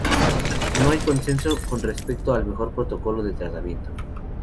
No hay consenso con respecto al mejor protocolo de tratamiento.